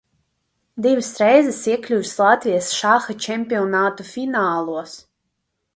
Divas reizes iekļuvis Latvijas šaha čempionātu finālos.